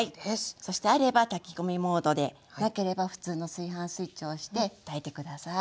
そしてあれば炊き込みモードでなければ普通の炊飯スイッチを押して炊いて下さい。